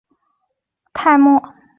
库尔泰莫。